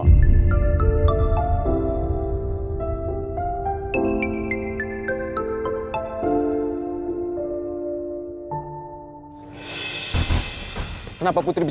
kalau kita udah panggil dia kita bisa